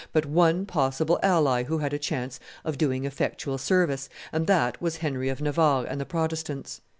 but one possible ally who had a chance of doing effectual service, and that was Henry of Navarre and the Protestants.